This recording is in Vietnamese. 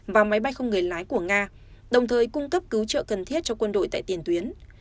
và máy bay không người lái của nga đồng thời cung cấp cứu trợ cần thiết cho quân đội tại tiền tuyến